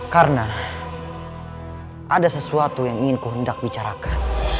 karena ada sesuatu yang ingin kuhendak bicarakan